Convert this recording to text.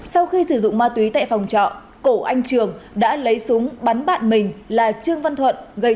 sau khi sử dụng ma túy tại phòng trọ cổ anh trường đã lấy súng bắn bạn mình là trương văn thuận